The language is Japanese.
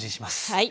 はい。